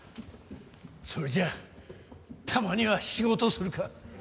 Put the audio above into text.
それじゃたまには仕事するか。